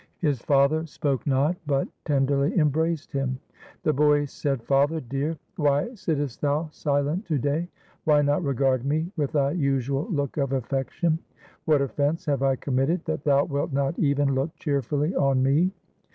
His father spoke not, but tenderly embraced him. The boy said, ' Father dear, why sittest thou silent to day ? Why not regard me with thy usual look of affection ? What offence have I committed that thou wilt not even look cheerfully on me?'